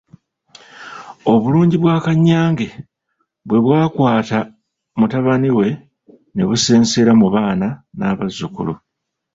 Obulungi bwa Kannyange bwe bwakwata mutabani we ne busensera mu baana n'abazzukulu.